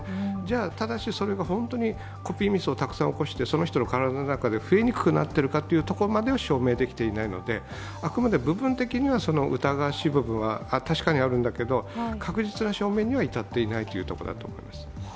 ただし、コピーミスがたくさん起こってその人の体の中で増えにくくなっているかということまでは証明できていないので、あくまで部分的には疑わしい部分は確かにあるんだけれども、確実な証明には至っていないということです。